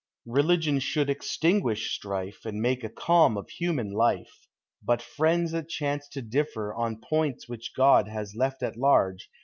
Religion should extinguish strife. And make a calm of human life; Rut friends that chance to differ On points which God has left at large.